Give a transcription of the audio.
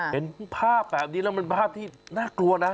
เห็นภาพแบบนี้แล้วมันภาพที่น่ากลัวนะ